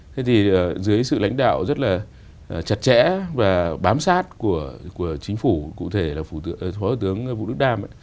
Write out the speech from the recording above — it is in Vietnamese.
thế thì dưới sự lãnh đạo rất là chặt chẽ và bám sát của chính phủ cụ thể là phó tướng vũ đức đam